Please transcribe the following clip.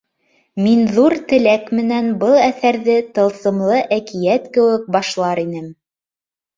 Мин ҙур теләк менән был әҫәрҙе тылсымлы әкиәт кеүек башлар инем.